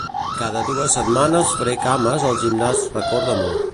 Cada dues setmanes faré cames al gimnàs recorda-m'ho.